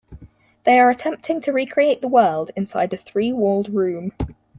They are attempting to recreate the world inside a three-walled room.